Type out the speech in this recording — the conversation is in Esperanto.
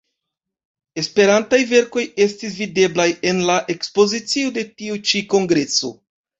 Esperantaj verkoj estis videblaj en la ekspozicio de tiu ĉi kongreso.